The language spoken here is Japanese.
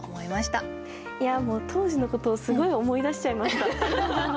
もう当時のことをすごい思い出しちゃいました。